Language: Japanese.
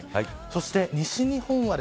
そして、西日本は。